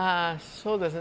そうですね。